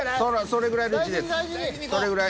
それぐらいの位置です。